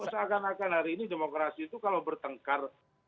seakan akan hari ini demokrasi itu kalau bertengkar